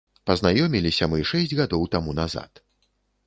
Пазнаёміліся мы шэсць гадоў таму назад.